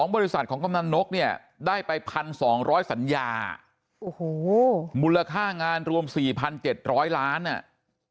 ๒บริษัทของกำลังนกเนี่ยได้ไป๑๒๐๐สัญญามูลค่างานรวม๔๗๐๐ล้านบาทนะ